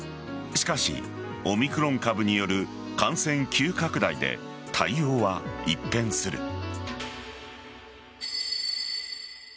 しかし、オミクロン株による感染急拡大で対応は一変する。